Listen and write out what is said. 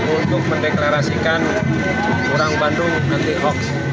untuk mendeklarasikan orang bandung nanti hoax